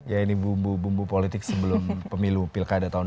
ya ini bumbu bumbu politik sebelum pemilu pilkada tahun dua ribu dua